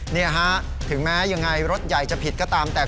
นี่ฮะถึงแม้ยังไงรถใหญ่จะผิดก็ตามแต่